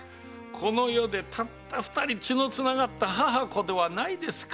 この世でたった二人血の繋がった母子ではないですか。